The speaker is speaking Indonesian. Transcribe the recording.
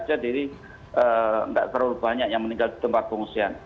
jadi tidak terlalu banyak yang meninggal di tempat pengungsian